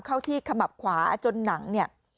เข้าที่ขมับขวาจนหนังเนี่ย